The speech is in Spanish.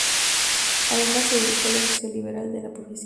Además, se dedicó al ejercicio liberal de la profesión.